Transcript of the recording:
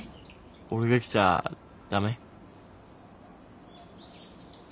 俺が来ちゃ駄目？